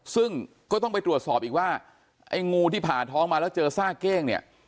ซึ่งก็ต้องไปตรวจสอบอีกว่าไอ้งูที่ผ่าท้องมาแล้วเจอซากเก้งเนี่ย